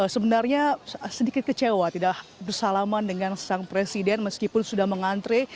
sebenarnya sedikit kecewa tidak bersalaman dengan sang presiden meskipun sudah mengantre